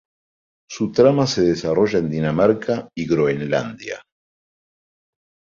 Su trama se desarrolla en Dinamarca y Groenlandia.